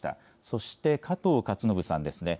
そして加藤勝信さんですね。